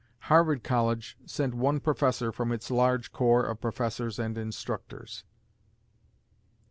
Harvard College sent one professor from its large corps of professors and instructors.